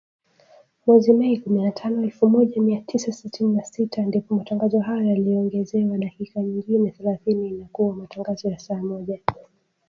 Mwezi Mei, kumi na tano elfu moja mia tisa sitini na sita , ndipo matangazo hayo yaliongezewa dakika nyingine thelathini na kuwa matangazo ya saa moja